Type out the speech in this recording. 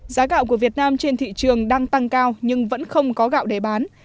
giá gạo của việt nam trên thị trường đang tăng cao nhưng vẫn không có gạo để bán